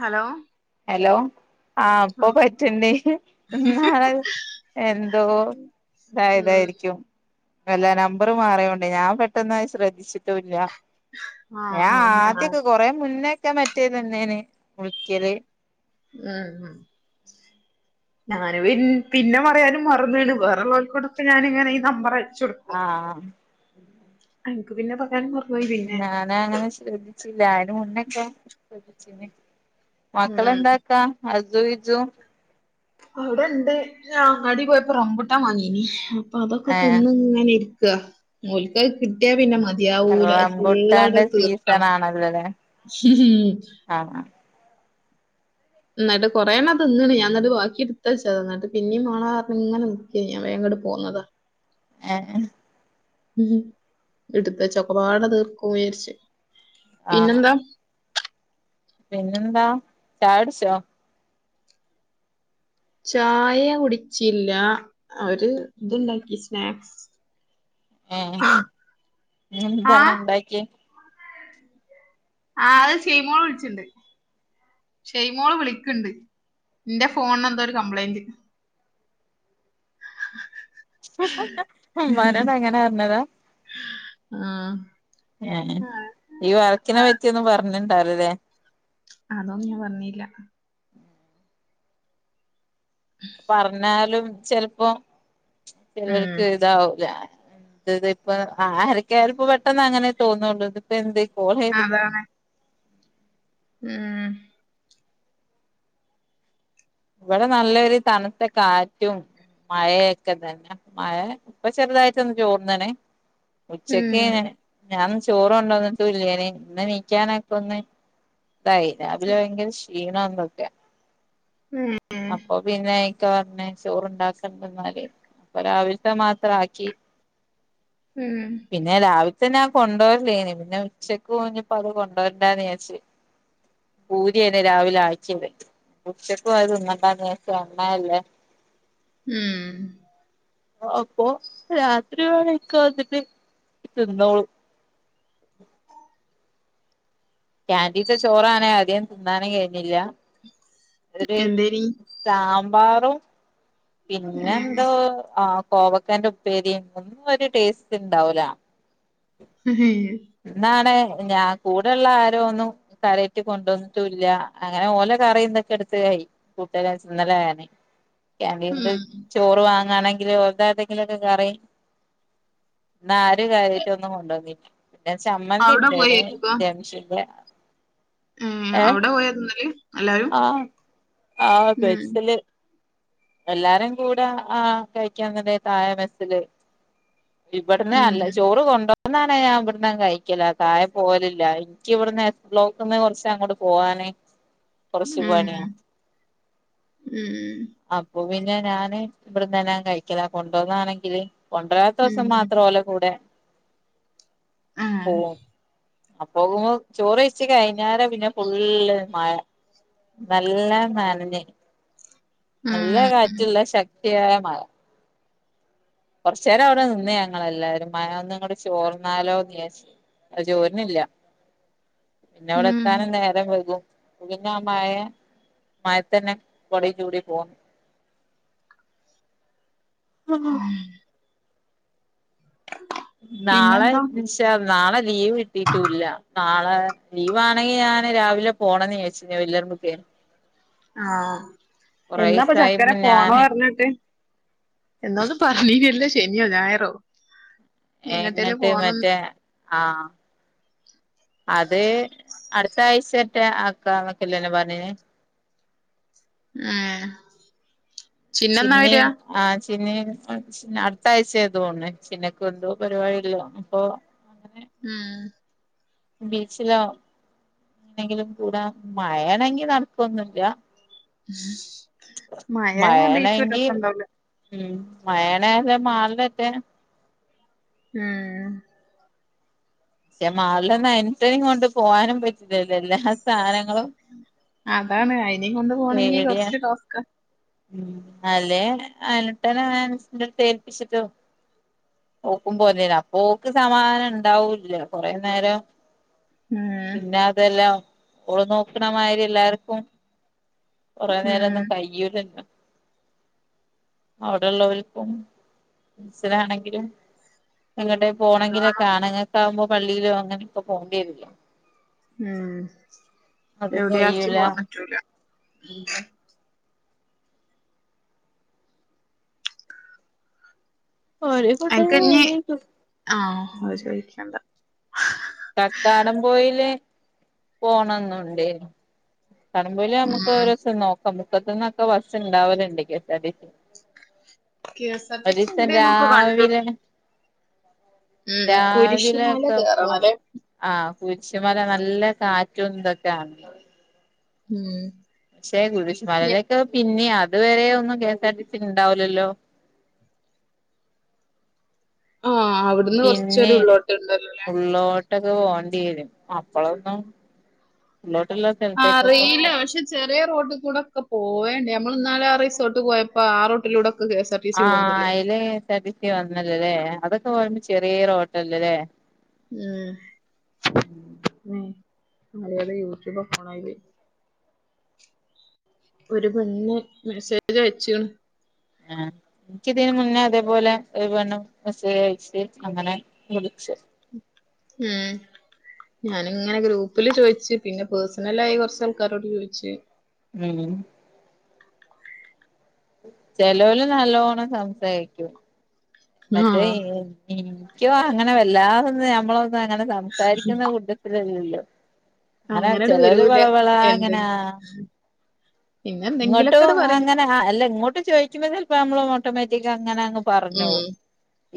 Hello hello ആഹ് ഇപ്പ പറ്റ്ണ്ട് ഇന്നാള് എന്തോ ഉം ഇതായതായിരിക്കും. അല്ല നമ്പറ് മാറിയോണ്ടേ ഞാൻ പെട്ടെന്നത് ശ്രദ്ധിച്ചിട്ടൂല്ല ഞാൻ ആഹ് ആഹ് ഞാ ആദ്യൊക്കെ കൊറേ മുന്നെക്കെ മറ്റേതന്നേന് വിളിക്കല് ഉം ഉം ഞാന് പിൻ പിന്നെ പറയാനും മറന്നേണ് വേറെള്ളോർക്കൊട്ക്ക ഞാനിങ്ങനെ ഈ നമ്പറ ച്ചൊടുക്കും ആഹ് അൻക്ക് പിന്നെ പറയാനും മ ഞാനാങ്ങനെ ശ്രദ്ധിച്ചില്ല അയിന് മുന്നൊക്കെ ശ്രദ്ധിച്ചീനി ഉം മക്കളെന്താക്കാ അജ്ജു വിജ്ജും അവിടെണ്ട് ഞാൻ അങ്ങാടി പോയപ്പോ റംമ്പൂട്ടാൻ വാങ്ങീനി അപ്പൊ അതൊക്കെ ഏഹ് തിന്നിങ്ങനെ ഇരി ക്കാ ഓൽക്കത് കിട്ടിയാ പിന്നെ മതിയാവൂല അത്‌ ഫുള്ളങ്ങട് റംബുട്ടാന്റെ തീർക്കണം സീസണാണല്ലോല്ലേ ഹും. ആഹ് അഹ് എന്നട്ട് കൊറേണ്ണം തിന്ന്ണ് ഞാനന്നട്ട് ബാക്കി ഇട്ത്ത് വെച്ചത. എന്നട്ട് പിന്നീം മാണ പർഞ്ഞിങ്ങനെ നിക്കേ ഞാന് വേഗിങ്ങട് പോന്നതാ. ഏഹ് എഹ് ഇട്ത്തു വെച്ച ഒക്കപ്പാടെ തീർക്കൊ വിചാരിച്ച്. ആഹ് പിന്നെന്താ പിന്നെന്താ ചായകുട്‌ച്ചോ ചായ കുടിച്ചില്ല അവര് ഇതുണ്ടാക്കി സ്നാക്സ്. ആഹ് ആ ആ എന്താണ് എണ്ടാക്കിയേ ആഹ് അത് സീമോള് വിളിച്ചിണ്ട്. ഷെയ്മോള് വിളിക്കെണ്ട് ഇന്റെ ഫോണിന് എന്തോ ഒരു കംപ്ലൈന്റ്. ഉമ്മാനോട് അങ്ങനെ പറഞ്ഞതാ ആഹ് ഏഹ് ഈ വർക്കിനെ പറ്റിയൊന്നും പറഞ്ഞിണ്ടാവിലല്ലേ അതൊന്നും ഞാൻ പറഞ്ഞില്ല പറഞ്ഞാലും ചെലപ്പോ ചെലർക്ക് ഇതാവൂല ഉം ദിതിപ്പ ആര്ക്കായാലും ഇപ്പൊ പെട്ടെന്ന് അങ്ങനെ തോന്നുള്ളൂ. ഇതിപ്പ എന്തെ കോൾ ചെയ്തി ഉം ഇവിടെ നല്ലൊരു തണുത്ത കാറ്റും. മഴയെക്ക തന്നെ മഴ ഇപ്പൊ ചെറുതായിട്ടൊന്ന് ചോർന്നണ് ഉച്ചക്ക് ഞാൻ ഞാൻ ചോറു കൊണ്ടോന്നിട്ടും ഇല്ലേയ്നി ഇന്ന് എനീക്കാനാക്ക ഒന്ന് ഇതായി രാവിലെ ഭയങ്കര ക്ഷീണം എന്തൊക്കെ ഉം അപ്പൊ പിന്നെ ഇക്ക പറഞ്ഞ് ചോറിണ്ടാക്കണ്ട എന്നാല്. അപ്പൊ രാവിലത്തെ മാത്രം ആക്കി ഉം പിന്നെ രാവിലത്തന്നെ ആഹ് കൊണ്ടോര്ലേനി പിന്നെ ഉച്ചക്ക് ഇഞ്ഞിപ്പോ അത് കൊണ്ടുവരണ്ടാന്ന് വിചാരിച്ച്. പൂരി ആയിനി രാവിലെ ആ‌ക്കിയത്. ഉച്ച ക്കും അത് തിന്നണ്ടാന്ന് വിചാരിച്ച് എണ്ണയല്ലേ ഉം അപ്പൊ രാത്രി വേണെ ഇക്ക വന്നിട്ട് തിന്നോളും കാന്റീത്തെ ചോറാണെ അധികം തിന്നാനും കഴിയുന്നില്ല ഒര് എന്തേനി സാമ്പാറും പിന്നെന്തോ ആഹ് കോവക്കേന്റെ ഉപ്പേരിയും ഒന്നും ഒരു ടേസ്റ്റ് ഉണ്ടാവൂല [unintelligible] ഇന്നാണ് ഞാൻ കൂടെയുള്ള ആരോ ഒന്നും കാര്യായിറ്റ് കൊണ്ടുന്നിട്ടുല്ല അങ്ങനെ ഓല കറിന്തൊക്കെ എടുത്തു കയി കൂട്ടല്ല ഇന്നലായാനെ. കാന്റീനിലെ ചോറ് വാങ്ങാണെങ്കില് ഓരുടെ ആരുടെയെങ്കിലുമൊക്കെ കറി ഇന്ന് ആരും കാര്യായിട്ട് ഒന്നും കൊണ്ടുന്നില്ല പിന്നെ ചമ്മന്തി അവിടെ പോയി ഇണ്ടേനി [unintelligible] ഉം അവിടെ പോയാ തിന്നല് എല്ലാരും ആഹ് ആഹ് ഉം ബസ്സില് എല്ലാരും കൂടെ ആ കഴിക്കാൻ തന്നെ താഴെ മെസ്സില് ഇവിടുന്ന് അല്ല ഉം ചോറ് കൊണ്ടോ ന്നാണ് ഞാൻ ഇവിടന്നങ്ങ് കഴിക്കല് താഴെ പോവലില്ല എനിക്ക് ഇവിടുന്ന് എസ് ബ്ലോക്ക്ന്ന് കൊറച്ച് അങ്ങോട്ട് പോവാന് കൊറച്ച് പണിയാ ഉം ഉം അപ്പൊ പിന്നെ ഞാന് ഇവിടുന്ന് തന്നെ അങ്ങ് കഴിക്കലാ കൊണ്ട് വന്നാണെങ്കില് കൊണ്ടരാത്ത ഉം ദിവസം മാത്രം ഓലെ കൂടെ ആഹ് പോവും അപ്പൊ നോക്കുമ്പോ ചോറ് കഴിച്ചു കൈഞ്ഞാരെ പിന്നെ ഫുള്ള് മഴ നല്ലാ നനഞ്ഞ് നല്ല ഉം കാറ്റുള്ള ശക്തിയായ മഴ കുറച്ച് നേരം അവിടെ നിന്ന് ഞങ്ങൾ എല്ലാരും മഴ ഒന്ന് അങ്ങട്ട് ചോർന്നാലോന്ന് വിചാരിച്ച് അത് ചോരുന്നില്ല പിന്നെ അവിടെ ഉം എത്താനും നേ രം വൈകും പിന്നെ ആ മഴ മഴയത്ത് തന്നെ കൊടയും ചൂടി പോന്നു ആഹ് നാളെ പിന്നെന്താ ഇൻഷാ നാളെ ലീവ് കിട്ടീട്ടും ഇല്ല നാളെ ലീവാണെങ്കിൽ ഞാന് രാവിലെ പോണോന്ന് വിചാരിച്ചീനി [unintelligible] ആഹ് എന്നാപ്പൊ ചക്കര കൊറേസായിപ്പം പോണോ ഞാന് പറഞ്ഞിട്ട് എന്നാന്ന് പറഞ്ഞീല്ലലോ ശനിയോ ഞായറോ എങ്ങട്ടേലും എങ്ങനത്തെ പോണം മറ്റേ ആഹ് അത് അടുത്ത ആഴ്ച മറ്റൊ ആക്കാന്ന് ഒക്കെല്ലാന്നോ പറഞ്ഞിന് ആഹ് ചിന്നയും ആഹ് ചിന്ന അടുത്ത ആഴ്ച തോന്നുണെ ചിന്നക്ക് എന്തോ പരിപാടികളാ അപ്പൊ അങ്ങനെ ഉം ബീച്ചിലോ എന്നെങ്കിലും കൂടാം മഴയാണെങ്കി നടക്കുവൊന്നുവില്ല മഴ ആയ ബീച്ചും ഒരു മഴയാണെങ്കി രസം ഉണ്ടാവൂല ഉം മയെണെറ്റെ മാൾന്റെറ്റെ ആഹ് പക്ഷെ മാറില്ലന്ന [unintelligible] കൊണ്ട് പോകാനും പറ്റില്ലല്ലോ എല്ലാ സാധനങ്ങളും അതാണ് അയിനെയും കൊണ്ട് പോണെങ്കിൽ കൊറച്ച് ടാസ്ക്കാ ഉ അല്ലെ അയ്നുട്ടനെ അനസിന്റട്ത്ത് ഏൽപ്പിച്ചിട്ട്. ഓക്കും പോരന് അപ്പ ഓക്ക് സമാധാന ഇണ്ടാവും ഇല്ലേ കുറെ നേരം ഉം പിന്നെ അതെല്ലാം ഓൻ നോക്കണ മാതിരി എല്ലാർക്കും കൊറെ നേരം ഉം ഒന്നും കയൂലല്ലോ അവിടെ ഉള്ളോൽക്കും മനസിലാണെങ്കിലും [unintelligible] അത് പോണെങ്കിലൊക്കെ വേണം ആണുങ്ങൾക്കാകുമ്പോ പള്ളിയിലോ അങ്ങനൊക്കെ പോകണ്ടി വരില്ലേ ഉം അതും എവിടെ ആക്കി കഴിയൂല പോവാൻ പറ്റൂല ഒരു അനക്ക് ഞ്ഞി കുട്ട ആഹ് അത് ചോദിക്കണ്ടാ കക്കാടം പോയയിൽ പോണംന്നുണ്ട് കക്കാടംപൊയിൽ നമ്മുക്ക് ഉം ഒരുസം നോക്കാം മുക്കത്തുന്നൊക്കെ bus ഉണ്ടാവല്ണ്ട് K S R T K S R T C ഒരീസം ഇണ്ട്ന്നൊക്കെ കണ്ട്ണ് രാവിലെ ഉം കുരിശ്ശ്മല രാവിലെക്കെ പോ കേയറണൊല്ലേ ആഹ് കുരിശുമല നല്ല കാറ്റും തൊക്കാണ് ഉം പക്ഷേ ഞ ഗുരിശ്മലേക്കെ പിന്നെ അതു വരെ ഒന്നും K S R T C ഉണ്ടാവൂലല്ലോ ആഹ് അവിടുന്ന് കൊറച്ചോരു ഉള്ളോട്ട്ണ്ടല്ലോല്ലേ ള്ളോ ട്ടിക്ക് പോണ്ടിയേരും അപ്പളൊന്നും ലോട്ട്ള്ള അറിയില്ല പക്ഷെ ചെറിയ റോട്ടികൂടൊക്കെ പോവ്വേ നമ്മള് ഇന്നാലെ ആ റിസോർട്ട് പോയപ്പോ ആ റോട്ടിലൂടൊക്കെ K S R T C ആഹ് പോകണ്ടല്ലോ അയില് K S R T C വന്നല്ലല്ലേ അതൊക്കെ പോയ്പോ ചെറിയ റൊട്ടല്ലല്ലേ ഉം ഉം മലയാള യൂട്യൂബ ഫോണായി ഒരു പെണ് മെസ്സേജ് അയച്ചീണ് ആഹ് ഇക്കിതിന് മുന്നേ അതേപോലെ ഒരു പെണ്ണ് മെസേജയച്ച് അങ്ങനെ വിളിച്ച് ഉം ഞാനിങ്ങനെ ഗ്രൂപ്പില് ചോയിച്ച് പിന്നെ പേഴ്സണലായി കൊറച്ചാൾക്കാരോട് ചോയിച്ച് ഉം ചെലോൽ നല്ലോണം സംസാരിക്കും ആ മറ്റേ ഉം ഇ ക്കിം അങ്ങനെ വല്ലാതൊന്ന് നഞമ്മളൊന്ന് അങ്ങനെ സംസാരിക്കുന്ന കൂട്ട ലല്ലല്ലോ അങ്ങനെ അങ്ങനട് ചെലോല് വരൂല വളവള എന്തെ അങ്ങനെയാ പിന്നെ എന്തെങ്കിലൊക്കെട് ഇങ്ങോട്ടും പറയും അങ്ങ അല്ല ഇങ്ങോട്ട് ചോയിക്കുമ്പോ ചെലപ്പോ നമ്മള ഓട്ടോമാറ്റിക് അങ്ങനെ അങ്ങ് പറഞ്ഞോവും ഉം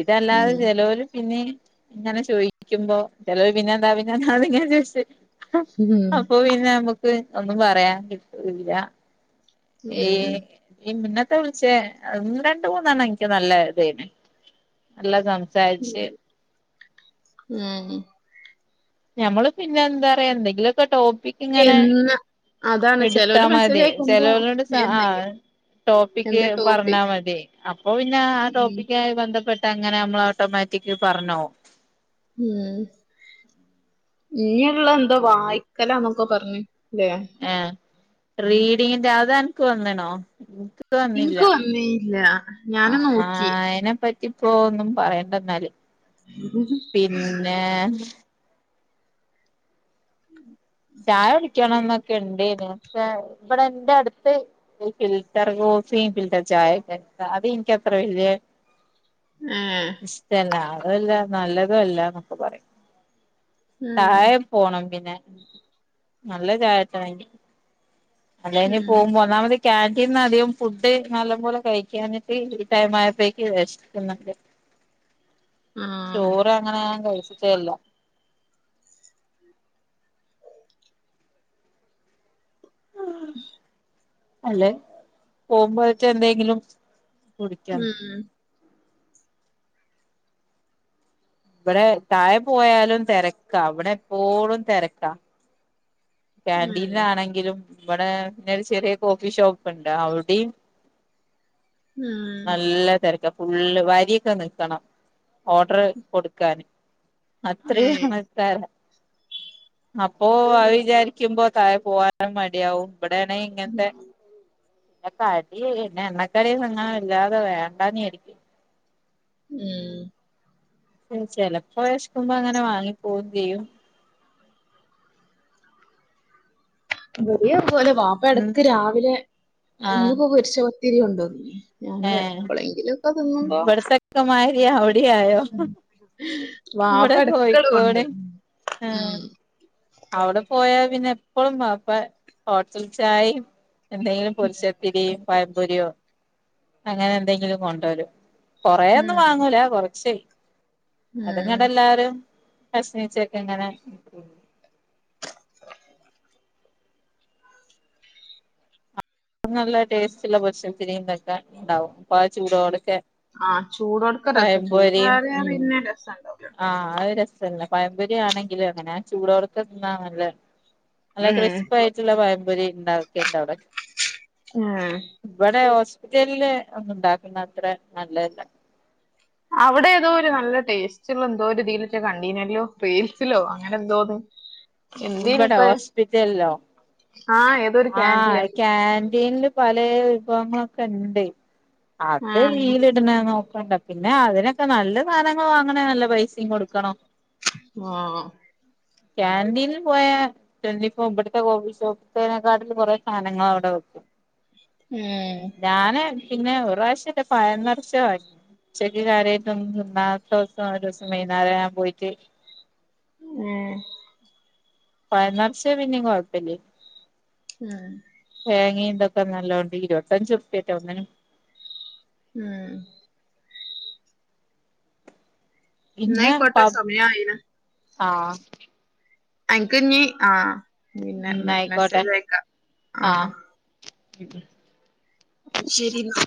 ഇതെല്ലതെ ഉം ചെലോര് പിന്നി ഇങ്ങനെ ചോയിക്കുമ്പോ ചെലവര് പിന്നെ എന്താ പിന്നെങ്ങാ ചോദിച്ചത് ഉം അപ്പൊ പിന്നെ നമക്ക് ഒന്നും പറയാൻ കിട്ടല്ല ഈ ഉം ഈ മന്നത്തെ വിളിച്ചേ രണ്ട് മൂന്നെണ്ണം എനിക്ക് നല്ല ഇതേന് നല്ലാം സംസാര്ച്ച് ഉം ഞമ്മള് പിന്നെ എന്താറയാ എന്തെങ്കിലൊക്കെ ടോപ്പിക് ഇങ്ങനെ എന്ന് അതാണ് എടുത്താ ചെലോല് മെസ്സേജ് മതി അയക്കുമ്പോ ചെലൊരോട് സ ആഹ് എന്തെങ്കിലും ടോപ്പിക്ക് എന്താ പറഞ്ഞാ ടോപ്പിക് മതി അപ്പൊ പിന്നെ ആ ഉം ടോപ്പിക്കായി ബന്ധപ്പെട്ട് അങ്ങനെ നമ്മൾ ഓട്ടോമാറ്റിക് പറഞ്ഞോ ഉം ഇഞുള്ള എന്താ വായിക്കലന്നൊക്കെ പറഞ്ഞഞ്ല്ലേ ആഹ് റീഡിങ്ങിന്റെ അതനക്ക് വന്നിണോ വന്നില്ല ഇൻക്ക് വന്നീല്ല ഞാന് ആഹ് നോക്കി അയിനെപറ്റി ഇപ്പോ ഒന്നും പറയണ്ടന്നാല് പിന്നെ [inaudible] ചായ കുടിക്കണംന്നൊക്കെ ഇണ്ടേന് പക്ഷെ ഇവിടെ ന്റെ അടുത്ത് ഫിൽറ്റർ കോഫി ഫിൽറ്റർ ചായക്കെ അത് ഇനിക്ക് അത്ര വല്ല്യെ എഹ് ഇഷ്ടല്ല അതല്ല നല്ലതുല്ലന്നൊക്കെ പറയും ഉം തായെ പോണം പിന്നെ നല്ല ചായട്ട [unintelligible] അല്ലഞ്ഞ് ഉം പോകുമ്പോ ഒന്നാമതി ക്യാന്റീന്ന അധികം ഫുഡ് നല്ല പോലെ കഴിക്കാഞ്ഞിട്ട് ഈ ടൈമായത്തേക്ക് വെഷ് ക്കന്ന്ണ്ട് ആഹ് ചോറ് അങ്ങനെ ഞാൻ കയിച്ചിട്ടേല്ല [inaudible] അല്ലെ പോകുമ്പോ ക്കേന്തെങ്കിലും കുടിക്കാം ഉം ഇവിടെ താഴെ പോയാലും തെരക്കാ ഇവിടെ എപ്പോഴും തെരക്കാ ഉം കാന്റീനിലാണെങ്കിലും ഇവിടെ പിന്നൊരു ചെറിയ കോഫി ഷോപ്പ്ണ്ട് അവ്ടിം ഉം നല്ല തെര ദാ ഫുള്ള് വരിക്കെ നിക്കണം ഓഡർ കൊടുക്കാന് അത്രീം ഏഹ് ആൾക്കാരാ അപ്പൊ അത് ഉം വിചാരിക്കുമ്പോ താഴെ പോവാൻ മടിയാവും ഇവിടെണെ ഇങ്ങൻത്തെ ക്കടി പിന്നെ എണ്ണക്കടി അങ്ങന വല്ലാതെ വേണ്ടാന്ന് വിചാരിക്കും എഹ് ഉം ചെലപ്പോ വെശക്കുമ്പോ അങ്ങനെ വാങ്ങി പോകും ചെയ്യും [unintelligible] വാപ്പ ഉം എടക്ക് രാവിലെ ഇന്ന് ആഹ് ഇപ്പൊ പോരിച്ച പത്തിരി കൊണ്ട് വന്ന് ഞാനും ഏഹ് എപ്പളെങ്കിലും ഒക്കെ തിന്നുമ്പോ ഇവിടത്തൊക്കെ മാതിരി അവിടെയായോ വാപ്പ ഇവിടെ എടക്കണ്ട് കോഴിക്കോട് കൊണ്ടരും ഉം ആഹ് അവിടെ പോയാൽ പിന്നെ എപ്പളും വാപ്പ ഹോട്ടൽ ചായിം എന്തെങ്കിലും പൊരിച്ച പത്തിരിം പഴപൊരിയോ അങ്ങനെ എന്തെങ്കിലും കൊണ്ടാരും കൊറേന്നും ഉം വാങ്ങൂല കൊറച്ചെ ഉം അത്ങ്ങടെ എല്ലാരും [unintelligible] നല്ല ടേസ്റ്റ്ള്ള പൊരിച്ച പച്ചത്തിരിന്തൊക്കെ ഉണ്ടാവും പാ ചൂടോട്ക്കെ ആഹ് ചൂടോട്ക്ക രസാ ചൂടാറിയ ഉം പിന്നെ രസണ്ടാവൂല ആഹ് അത് രസല്ലെ പഴമ്പപൊരി ആണെങ്കിലും അങ്ങനെ ആഹ് ചൂടോട്ക്കെ തിന്നാ നല്ലെ നല്ല ഉം ക്രിസ്പയിട്ടുള്ള പയംപൊരി ഇണ്ടാക്കേണ്ടവിടെ എഹ് വടെ ഹോസ്പിറ്റലില് ഒന്ന് ഉണ്ടാക്കുന്ന അത്ര നല്ലതല്ല അവിടെ ഏതോ ഒരു നല്ല ടേസ്റ്റുള്ള എന്തോരീതീൽലേറ്റൊ കണ്ടീനേലോ റീൽസിലോ അങ്ങനെ എന്തോന്ന് ഇവിടെ എന്തേനിപ്പ ഹോസ്പിറ്റൽല്ലോ? ആഹ് ഏതോരു ക്യാൻഡില് ആഹ് കാന്റീൻല് പലെ വിഭവങ്ങളൊക്കെ ഇണ്ട് അത് ആഹ് റീല് [unintelligible] ക്കണ്ട പിന്നെ അതിനൊക്കെ നല്ല സാധനങ്ങൾ വാങ്ങണ നല്ല പൈസി കൊടുക്കണം ആഹ് കാന്റീനിൽ പോയാ [unintelligible] ഇവിടുത്തെ കോഫി ഷോപ്പ് ചേനക്കാട്ടിൽ കുറെ സാധനങ്ങളവിടെ വെക്കും ഉം ഞാന് പിന്നെ ഒരു പ്രാവശ്യംറ്റെ പയം നെർച്ചെ വാങ്ങി ഉച്ചക്ക് കാര്യയിട്ടൊന്നും തിന്നാത്ത ദിവസം ഒരു ദിവസം വൈകുന്നേരം ഞാൻ പോയിട്ട് ഉം പഴം നെർച്ചെ പിന്നെ കൊഴപ്പല്യ ഉം തേങ്ങയും ഇന്തൊക്കെ നല്ലോണ്ട് ഇരുപത്തഞ്ച് ർപ്പേറ്റ ഒന്നിന് ഉം പിന്നെ പ ന്നായിക്കോട്ടെ സമയായിണ് [inaudible] ആഹ് ആൻക്ക്ഞ്ഞീ ആ പിന്നെ ന്നായിക്കോട്ടെ മെസ്സേജ് അയക്കാം ആഹ് ശരീന്നാ